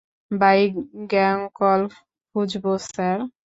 Bike গ্যাংকল খুঁজব, sir?